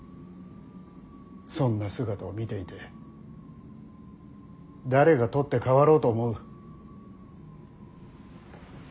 そんな姿を見ていて誰が取って代わろうと思う。